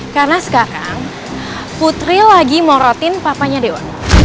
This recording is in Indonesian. karena sekarang putri lagi morotin papanya dewa